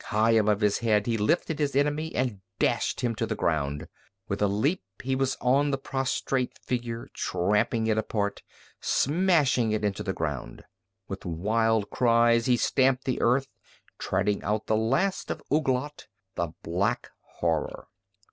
High above his head he lifted his enemy and dashed him to the ground. With a leap he was on the prostrate figure, trampling it apart, smashing it into the ground. With wild cries he stamped the earth, treading out the last of Ouglat, the Black Horror.